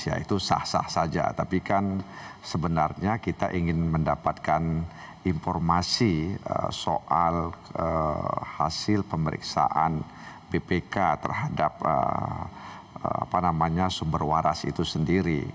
ya itu sah sah saja tapi kan sebenarnya kita ingin mendapatkan informasi soal hasil pemeriksaan bpk terhadap sumber waras itu sendiri